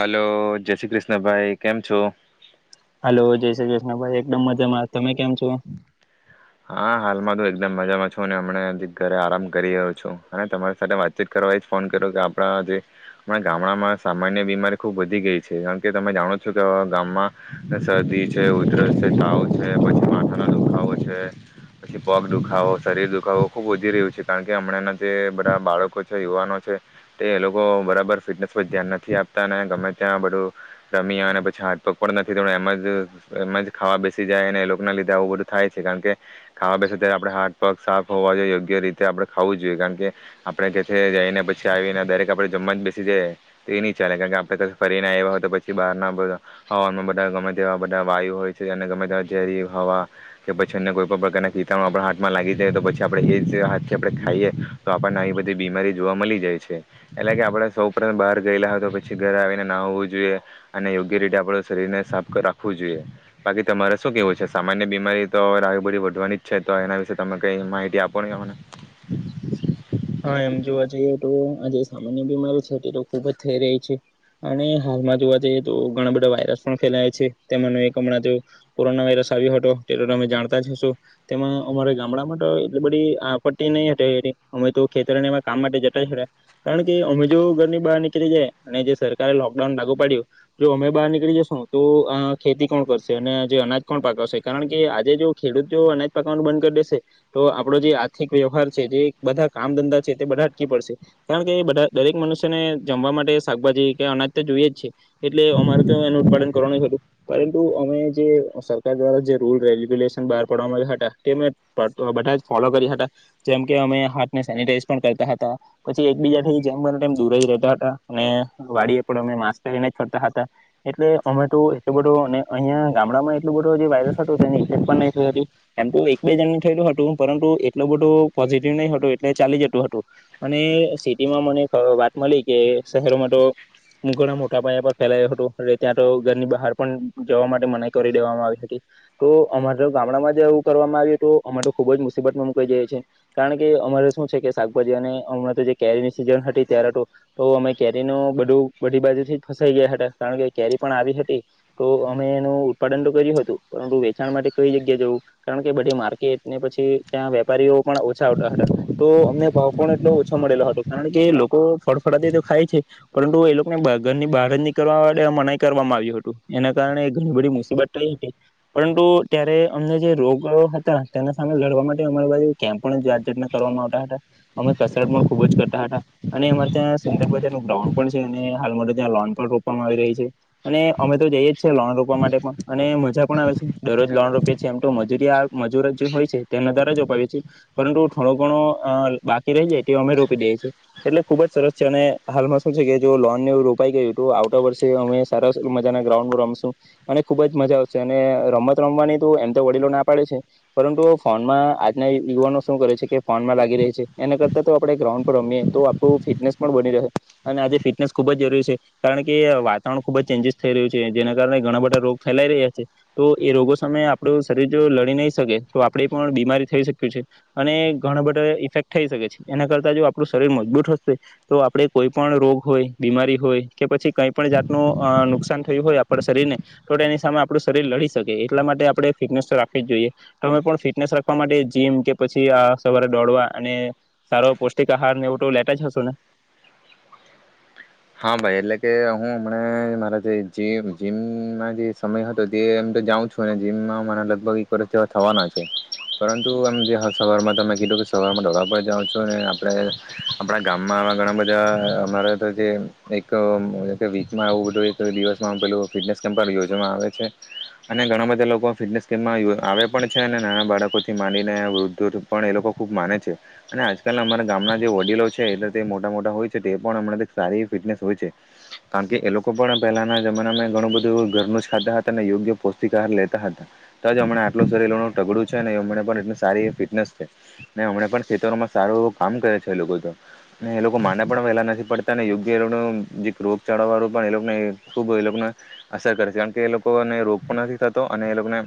hello Jai Shri Krishna ભાઈ કેમ છો હલોો જય શ્રી કૃષ્ણ ભાઈ એકદમ મજામાં તમે કેમ છો હા હાલમાં તો એકદમ મજામાં છું અને હમને ઘરે આરામ કરી રહ્યો છું અને તમારી સાથે વાતચીત કરવા એ જ ફોન કર્યો કે આપણા જેણાં ગામડામાં સામાન્ય બીમારી ખુબ વધી ગઈ છે કારણ કે તમે જાણો છો કે ગામમાં શરદી છે ઉધરસ છે તાવ છે પછી માથા દુખાવો છે પછી પગ દુખાવો શરીર દુખાવો ખુબ વધી રહ્યું છે કારણ કે હમણાંના જે બધા બાળકો છે યુવાનો છે તે એ લોકો બરાબર ફિટનેસ પર ધ્યાન નથી આપતા ગમે ત્યાં બધું રમી્યા અને પછી હાથ પગ પણ નથી એમ જ એમ જ ખાવા બેસી જાય અને એ લોકોના લીધે આવું બધું થાય છે કારણ કે ખાવા બે ત આપણે હાથ પગ સાફ હોવા જોઈએ યોગ્ય રીતે આપડણે ખાવું જ જોઈએ કારણ કે આપડે જે જઈને પછી આવીને દરેક આપણે જમવા જ બેસી જઈએ તો એ નહી ચાલે કારણ કે આપણે ફરીને આવ્યા હોય તો પછી બહારના હવા બધા ગમે તેવા બધા વાયુ હોય છે અને ગમે તે્યારે હવા કે પછી અન્ય કોઈ ના કીટણ આપ હાથમાં લાગી જાય તો પછી આપણેે એ જ હાથથી આપડણે ખાઈએ તો આપણને આવી બધી બીમારી જોવા મળી જાય છે એટલે કે આપડણે સૌપ પ્રથમ બહાર ગયેલા હોય તો પછી ઘરે આવીને ના હોવું જોઈએ અને યોગ્ય રીતે આપડું શરીરને સાફ રાખવું જોઈએ બાકી તમારે શું કેવું છે સામાન્ય બીમારી તો બધી વધવાની છે તો એના વિશે તમે કઈ માહિતી આપો ને હ એમ જોવા જઈએ તો આ જે સામાન્ય બીમારી છે તે તો ખુબ જ થઈ રહી છે અને હાલમાં જોવા જઈએ તો ઘણા બધા વાયરસ પણ ફેલાય છે તેનો એક હમણાં કોરોના વાયરસ આવ્યો હતો તે તો તમે જાણતા જ હશો તેમાં અમારા ગામડામાં તો એટલી બધી આપ્ટ નહી હતી અમે તો ખેતરને એમાં કામ માટે જટ છેડ્યા કારણ કે અમે જો ઘરની બહાર નીકળી જાય અને જે સરકારે લોકડાઉન લાગુ પાડ્યું જો અમે બહાર નીકળી જશું તો ખેતી કોણ કરશે અને જે અનાજ કોણ પાકવશે કારણ કે આજે જો ખેડૂત જો અનાજ પાકવવાનું બંધ કરી દેશે તો આપણો જે આર્થિક વ્યવહાર છે જે બધા કામ ધંધા છે તે બધા અટકી પડશે કારણ કે બધા દરેક મનુષ્યને જમવા માટે શાકભાજી કે અનાજ તો જોઈએ જ છે એટલે અમારે તો એનું ઉત્પાદન કરવો નહી હતું પરંતુ અમે જે સરકાર દ્વારા જે રૂલ રેગ્યુલેશન બહાર પાડવામાં આવ્યા હતા તે અમે બધા જ ફોલો કર્યા હતા જેમ કે અમેા સેનટાઈઝ પણ કરતા હતા પછી એકબીજા જેમ બમ દૂર જ રહેતા હતા અને વાડી એ પણ અમે માસ્ક પહેરીને જ ફરતા હતા એટલે અમે તો એટલો બધો અને અહંયા ગામડામાં એટલો બધો જે વાયરસ હતો તેની ઇફેક્ટ પણ નહી થ હતું એમ તો એક બે જણ થયેલું હતું પરંતુ એટલો બધો પોઝિટિવ નહી હતો એટલે ચાલી જતું હતું અને સિટીમાં મને વાત મળી કે શહેરોમાં તો મઘણા મોટા પયા પર ફેલાયો હતોું એટ ત્યાં તો ઘરની બહાર પણ જવા માટે મનાઈ કરી દેવામાં આવી હતી તો અમારે તો ગામડામાં જે એવું કરવામાં આવ્યું હત અમારે તો ખૂબ જ મુસીબતમાં મુકાઈ જાયીએ કારણ કે અમારે શાકભાજી અને હમણાં તો જે કેરીની સીઝન હતી ત્યારે તો તો અમે કેરી ન બધું બધી બાજુથી ફસાઈ ગયા હતા કારણ કે કેરી પણ આવી હતી તો અમે એનું ઉત્પાદન તો કર્યું હતું પરંતુ વેચાણ માટે કઈ જગ્યા જવું કારણ કે બધી માર્કેટ ને પછી ત્યાં વેપારીઓ પણ ઓછા આવતા હતા તો અમને ભાવ પણ એટલો ઓછો મળેલો હતો કારણ કે લોકો ફળફળાથી તો ખાય છે પરંતુ એ લોકોને ઘરની બહાર જ નીકળવા મનાય કરવામાં આવ્યું હતું એના કારણે ઘણી બધી મુસીબત થઈ હતી પરંતુ ત્યારે અમને જે રોગ હતા તેના સામે લડવા માટે અમારી બાજુ કમ પણટના આવ હતા અમે કસરત પણ ખુબ જ કરતા હતા અને અમારે ત્યાં સુંદરબજાર નું ગ્રાઉન્ડ પણ છે અને હાલ મો ત્યાં લોન પણ રોપવામાં આવી રહી છે અને અમે તો જઈએ જ છે લોન રોપવા માટે પણ અને મજા પણ આવે છે દરરોજ લોન રોપીએ છીએ એમ તો મજૂરી મજૂર જે હોય છે તેના દરજોપાવીએીએ પરંતુ ઘણો ઘણો બાકી રહી જાય તે અમે રોપી દઈએ છીએ એટલે ખુબ જ સરસ છે અને હાલમાં શું છે કે જો લોન નેું રોપાઈ ગયું તો આઉટ ઓફ વર્ષે અમે સાર મજાના ગ્રાઉન્ડમાં રમશું અને ખુબ જ મજા આવશે અને રમત રમવાની તો એમ તો વડીલો ના પાડે છે પરંતુ ફોનમાં આજના યુવાનો શું કરે છે કે ફોનમાં લાગી રહી છે એના કરતાં તો આપણે ગ્રાઉન્ડ પર રમીએ તો આપણું ફિટનેસ પણ બની રહે અને આજે ફિટનેસ ખૂબ જ જરૂરી છે કારણ કે વાતાવરણ ખૂબ જ ચેન્જીિસ થઈ રહ્યું છે જેના કારણે ઘણા બધા રોગ ફેલાઈ રહ્યા છે તો એ રોગો સામે આપણું શરીર જો લડી નહીં શકે તો આપણે પણ બીમારી થઈ શક્યું છે અને ઘણા બધા ઇફેક્ટ થઈ શકે છે એના કરતાં જો આપણું શરીર મજબૂત હશે તો આપણે કોઈ પણણ રોગ હોય બીમારી હોય કે પછી કંઈ પણ જાતનું નુકસાન થયું હોય આપણા શરીરને તો એની સામે આપણું શરીર લડી શકે એટલા માટે આપણે ફિટનેસ રાખવી જ જોઈએ તમે પણ ફિટનેસ રાખવા માટે જીમ કે પછી આ સવારે દોડવા અને સારો પૌષ્ટિક આહાર ને એવ તો લેતા જ હશુ ને હા ભાઈ એટલે કે હું હમણા મારા જેમ જીમમાં જે સમય હતો તેમ તો જાઉં છું જીમમાં મારા લગભગ એક વર્ષ જેવા થવાના છે પરંતુમ જે સવારમાં તોં કીધું કે સવારમાં ઢોળા પર જાઉં છું આપણે આપણા ગામમાં ઘણા બધા અમારા તો જે એક વીચમાં એું બધું એક દિવસમાં પેલું ફિટનેસ કેમ્પ યોજવામાં આવે છે અને ઘણા બધા લોકો ફિટનેસ કેમ્પમાં આવે પણ છે અને નાના બાળકો થી માનીને વૃદ્ધ પણ એ લોકો ખુબ માને છે અને આજકાલ અમારા ગામના જે વડીલો છે એ તે મોટા મોટા હોય છે તે પણ હમણાં સારી હોય કારણ કે એ લોકો પણ પહેલાના જમાનામાં ઘણું બધું ઘરનું જ ખાતા હતા અને યોગ્ય પૌષ્ટિક આહાર લેતા હતા તોજ હમણા આટલ શરીનું ટગડું છે નેમ એટલ સારી એ ફિટનેસ છે ને હમણા પણ ખેતરોમાં સારું એવ કામ કરે છે એ લોકો એ લોકો માને પણ વહેલા નથી પડતા લોકો જે રોગ ચાળા વાળું પણ એને ખુબ એ લોકોને અસર કરે છે કારણ કે એ લોકોને રોગ પણ નથી થતો અને એ લોકોને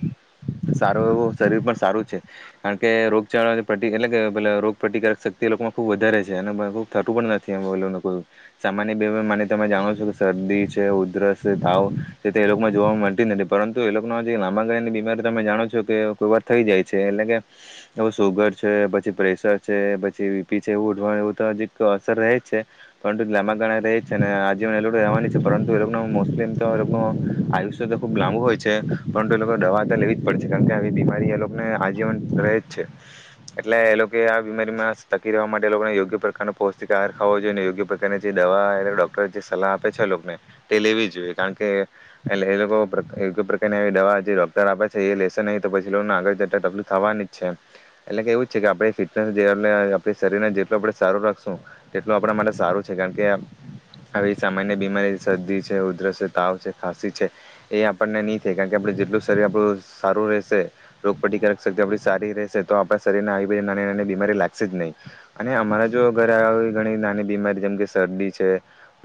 સારો એવું શરીર પણ સારું છે કારણ કે રોગ ચાળા એટલે કે રોગ પ્રતિકારક શક્તિ એ લોકોમાં ખુબ વધારે છે અને ખબ થતું પણ નથી લોકો સામાન્ય બીમા માને તમે જાણો છો કે શરદી છે ઉધરસ છે તાવ છે તે એ લોકોમાં જોવા મળતી જ નથી પરંતુ એ લોકોનો લાંબા ગાળાની બીમારી તમે જાણો છો કે કોઈ વાર થઈ જાય છે એટલે કે એ સુગર છે પછી પ્રેશર છે પછી બીપી છે એવું ઉઠવાનું એવું તો હજી અસર રહે જ છે પણ લાબ ગણાા રહે જ છે અને આજીવન એ લોકો રહેવા છે પરંતુ એ લોકો મોસ્ટલી તો એ લોકો આયુષ્ય તો ખુબ લાંબુ હોય છે પરંતુ એ લોકો દવા તો લેવી જ પડે છે કારણ કે આવી બીમારી એ લોકોને આજીવન રહે જ છે એટલે એ લોકો આ બીમારીમાં થકી રહેવા માટે એ લોકોને યોગ્ય પ્રકારનો પૌષ્ટિક આહાર ખવો જોઈએને યોગ્યકાર દવા ડોક્ટર જે સલાહ આપે છેને તે લેવી જ જોઈએ કારણ કે એ લોકો કો પ્રકારની દવા જે ડોક્ટર આપે છે એ લેશે નહીિ તો પછીને આગળ જતા તકલીફ થવાની જ છે એટલે કે એવું છે કે આપ ફિટનેસ જે આપ શરીરને જેટલું આપણે સારું રાખશું તેટલું આપણા માટે સારું કારણ કે આવી સામાન્ય બીમારી શરદી છે ઉધર છે તાવ છે ખાંસી છે એ આપણને નહી થાય કારણ કે આપ જેટલું શરીર આપણું સારું રહેશે રોગપતિકારક શક્તિ આપ સારી રહેશે તો આપણા શરીરને આવી બધી નાની નાની બીમારી લાગશે જ નહીિ અને અમારા જો ઘરે ઘણી નાની બીમારી જેમ કે શરદી છે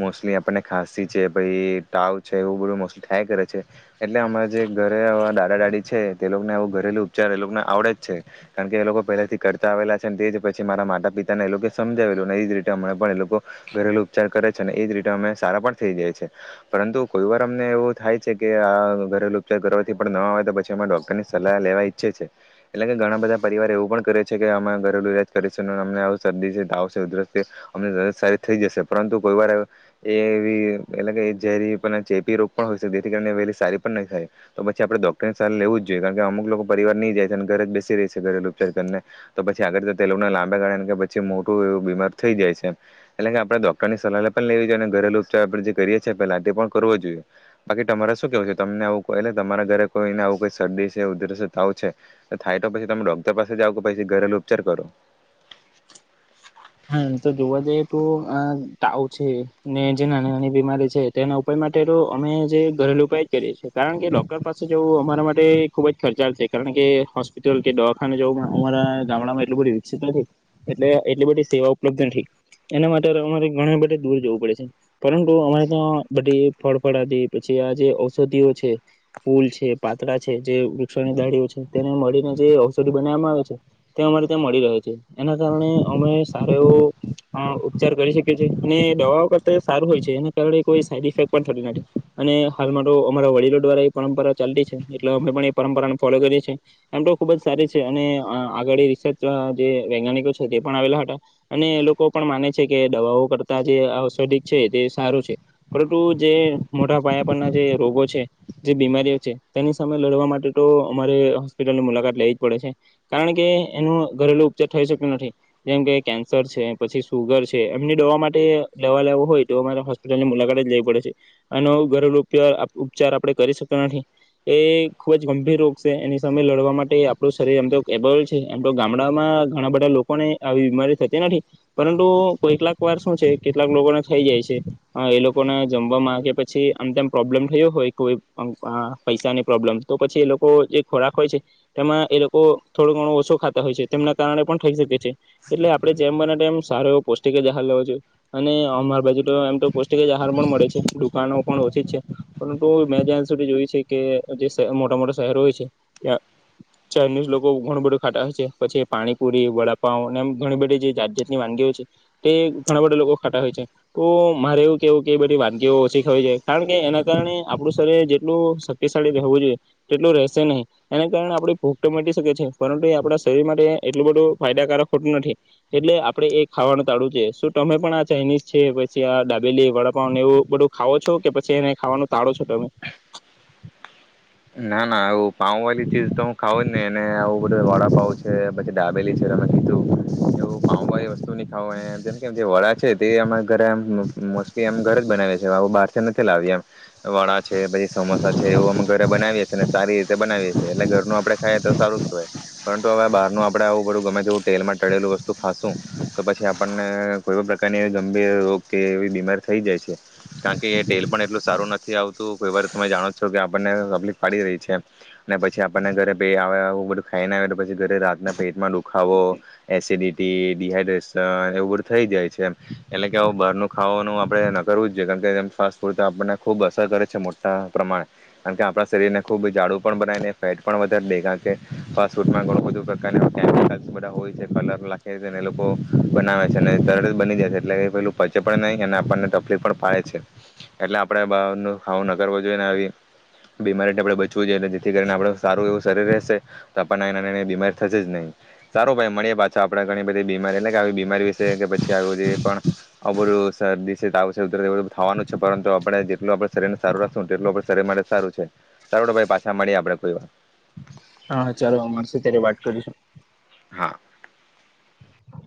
મોસ્ટલી આપણને ખાંસી છે પછ તાવ છે એવું બધું મોસ્ટલી થાય કરે છે એટલે અમારા જે ઘરે દાદા દાદી છે તે લોકોને એ ઘરેલું ઉપચાર એ લોકોને આવડે જ છે કારણ કે એ લોકો પહેલાથી કરતા આવેલા છે તે જ પછી મારા માતા પિતાને એ લોકો સમજાવેલું નહી જ રીતે હમણાં પણ એ લોકો ઘરેલુ ઉપચાર કરે છે ને એ જ રીતે અમે સારા પણ થઈ જાયી પરંતુ કોઈ વાર અમને એવું થાય છે કે આ ઘરેલુ ઉપચાર કરવાથી પણ ન આવે તો પછી અમે ડોક્ટરની સલાહ લેવા ઈચ્છે છે એટલે કે ઘણા બધા પરિવાર એવું પણ કરે છે કે અમે ઘરેલુ ઈલાજ કરે છે અમને શરદી છે ધાવ છે ઉધરસ છે અમને સારી થઈ જશે પરંતુ કોઈ વાર એવી એટલે ઝેરી ચેપી રોગ પણ હોય શકે જેથી કાર વહેલી સારી પણ ન થાય તો પછી આપણે ડોક્ટરને સારી લેવું જ જોઈએ કારણ કે અમુક લોકો પરિવાર નહી જાય છે અને ઘરે જ બેસી રહી છે ઘરે ઉપચાર કરીને તો પછી આગળ તેલ ના લાંબા ગાળા કે પછી મોટું એવું બીમાર થઈ જાય છે એટલે કે આપણેે ડોક્ટર ની સલાહ પણ લેવી જોઈએ અને ઘરેલુ ઉપચાર આપણે જે કરીએ છીએ પેલા તે પણ કરવો જોઈએ બાકી તમારે શું કેવું છે તમને આવું એલે તમારા ઘરે કોઈને આવ કોઈ શરદી છે ઉધર તાવ છે થાય તો પછી તમે ડોક્ટર પાસે જઓ કે પછી ઘરેલુ ઉપચાર કરો હા તો જોવા જઈએ તો તાવ છે ને જે નાની નાની બીમારી છે તેના ઉપાય માટે તો અમે જે ઘરેલુ ઉપાય જ કરીએ છીએ કારણ કે ડોક્ટર પાસે જવું અમારા માટે ખુબ જ ખર્ચાલ છે કારણ કે હોસ્પિટલ કે દવાખાનેવું અમારા ગામડામાં એટલું બધું વિક નથી એટલે એટલી બધી સેવા ઉપલબ્ધ નથી એના માટે અમારે ઘણી બધે દૂર જવું પડે છે પરંતુ અમારે ત્યાં બધી ફળફળ હતી પછી આ જે ઔષધિઓ છે ફૂલ છે પાતળા છે જે વૃક્ષોની દાડીી છે તેને મળીને જે ઔષધિ બનાવવામાં આવે છે તે અમારે ત્યાં મળી રહે છે એના કારણે અમે સારો એવો ઉપચાર કરી શકીએી અને દવાઓ કરતા સારું હોય છે એના કારણે કોઈ સાઈડ ઇફેક્ટ પણ થતી નથી અને હાલમાં તો અમારા વડીલો દ્વારા એ પરંપરા ચાલતી છે એટલે અમે પણ એ પરંપરાને ફોલો કરીએ છીએ એમ તો ખુબ જ સારી છે અને આગળ રિસર્ચ જે વૈજ્ઞાનિકો છે તે પણ આવેલા હતા અને એ લોકો પણ માને છે કે દવાઓ કરતા જે ઔષધિક છે તે સારું છે પરંતુ જે મોટા પાયા પરના જે રોગો છે જે બીમારીઓ છે તેની સામે લડવા માટે તો અમારે હોસ્પિટલની મુલાકાત લેવી જ પડે છે કારણ કે એનો ઘરેલુ ઉપચાર થઈ શક્યો નથી જેમ કે કેન્સર છે પછી સુગર છે એમની દવા માટે દવા લેવો હોય તો અમારે હોસ્પિટલની મુલાકાતે જ લેવી પડે છે એનો ઘરેડાર ઉપચાર આપણે કરી શકતા નથી એ ખૂબ જ ગંભીર રોગ છે એની સામે લડવા માટે આપણું શરીર આમ તો કેબબલ છે એમ તો ગામડામાં ઘણા બધા લોકોને આવી બીમારી થતી નથી પરંતુ કોઈટલાક વાર શું છે કેટલાક લોકોને થઈ જાય છે એ લોકોને જમવામાં કે પછી આમ તેમ પ્રોબ્લેમ થયો હોય કોઈ પૈસાની પ્રોબ્લેમ તો પછી એ લોકો જે ખોરાક હોય છે તેમાં એ લોકો થોડો ઘણો ઓછો ખાતા હોય છે તેમના કારણે પણ થઈ શકે છે એટલે આપણે જેમ બનામ સારો એવો પૌષ્ટિક જ આહાર લેવો જોઈએ અને અમારી બાજુ તો એમ તો પૌષ્ટિક જ આહાર પણ મળે છે દુકાનો પણ ઓછી જ છે પરંતુ મેં જ્યાં સુધી જોયું છે કે જે મોટા મોટા શહેરો હોય છે ત્યાં ચાઇનીઝ લોકો ઘણું બધું ખાટા હોય છે પછી પાણીપુરી વડાપાાવ એમ ઘણી બધી જે જાત જાતની વાગીઓ છે તે ઘણા બધા લોકો ખાતાા હોય છે તો મારે એવું કેવું કે એ બધી વાનગીઓ ઓછી ખવી જોઈ કારણ કે એના કારણે આપણું શરીર જેટલું શક્તિશાળી રહેવું જોઈએ તેટલું રહેશે નહીં એના કારણે આપણે ભૂખ તો મટી શકે છે પરંતુ એ આપણા શરીર માટે એટલું બધું ફાયદાકારક હોતું નથી એટલે આપડે એ ખાવાનું તાળું જો શું તમે પણ આ ચાઇનીઝ છે પછી આ ડાબેલી વડાપાવન એવું બધું ખાવો છો કે પછી એને ખાવાનું તાળો છો તમે ના ના આવું પાઉ વાળી ચીજ તો હું ખાવંજ ને એને આવું બધું વાડાપાવ છે ડાબેલી છે વસ્તુ ખ જેમ કે જે વડા છે તે ઘરે મોલીમ ઘર જ બનાવે છે બાર નતાવ્યામ વડા છે પછી સમોસા છે એવું અમ ઘરે બનાવીએ છી અને સારી રીતે બનાવીએ છીએ એટલે ઘરનું આપણે ખાઈએ તો સારું જ કહેવાય પરંતુ હવે બહારનું આપણે આવું બધું ગમે તે તેલમાં ટળેલું વસ્તુ ખાશું તો પછી આપણને કોઈ પણ પ્રકારની એ ગંભીર રોગ કે એવી બીમાર થઈ જાય છે કારણ કે એ તેલ પણ એટલું સારું નથી આવતું કોઈ વાર તમે જાણો છો કે આપણને તકલીફ પડી રહી છે અને પછી આપણને ઘરે પ આવે આવું બધું ખાઈને આવે તો પછી ઘરે રાતના પેટમાં દુખાવો એસિડિટી ડડીહાઈડ્રેશન એવું બધું થઈ જાય છે એટલે કે આવ બહારનું ખાવાનું આપણે ન કરવું જ જોઈએ કારણ કે એ ફાસ્ટ ફૂડ તો આપણને ખૂબ અસર કરે છે મોટા પ્રમાણે કારણ કે આપણા શરીર ને ખૂબ જાડુ પણ બનાયને ફેટ પણ વધારે દે કારણ કે ફ ફમાં ઘણ બધકાર હોય છે લોકો બનાવે છે તરત બની જાય છે એટલે પલું પચે પણ નહી અને આપણને તકલીફ પણ ફડે છે એટલે આપણેે બાર ખાવું નગરવ જોઈને આવી બીમારીને આપડે બચવું જોઈએટલે જેથી કરીને આપડ સારું એવું શરીર રહેશે તો આપણને નાના નાની બીમારી થશે જ નહીિ સારું ભાઈ મળીએ પાછો આપડે ઘણી બધી બીમારી એટલે કે આવી બીમારી વિશે કે પછી આવ જે પણ અ બધું શરદી ત ઉરું થવાનું છે પરંતુ આપણે જેટલું આપણે શરીરને સારું રાખશુંને તેટ માટેરે સારું છે સારું ભાઈ પાછા મળીએ આપડે કોઈ વાર હા ચાલો મળશે ત્યારે વાત કરીશું હા